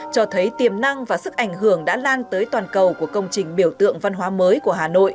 cho thấy tiềm năng và sức ảnh hưởng đã lan tới toàn cầu của công trình biểu tượng văn hóa mùa